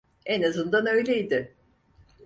En azından öyleydi.